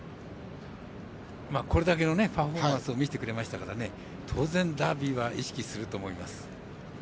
これだけのパフォーマンスを見せてくれましたから当然、ダービーは意識すると思います。